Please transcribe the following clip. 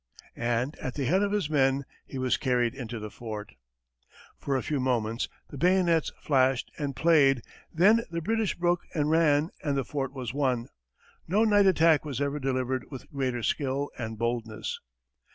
And at the head of his men he was carried into the fort. For a few moments, the bayonets flashed and played, then the British broke and ran, and the fort was won. No night attack was ever delivered with greater skill and boldness.